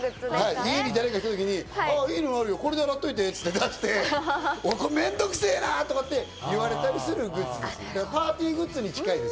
家に誰かが来たときに、いいのあるよ、これで洗っといてって言って、めんどくせぇなぁとか言って、言われたりするグッズです。